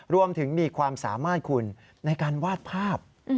มีความสามารถคุณในการวาดภาพ